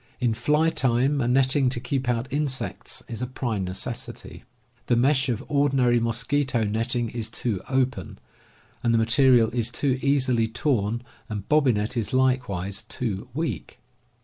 In fly time a netting to keep out insects is a prime necessity. The mesh of ordinary mosquito netting is ^. too open, and the material is too easily P^^ torn, and bobbinet is likewise too weak.